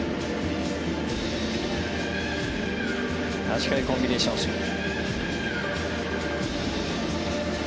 足換えコンビネーションスピン。